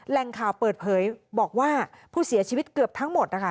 แหล่งข่าวเปิดเผยบอกว่าผู้เสียชีวิตเกือบทั้งหมดนะคะ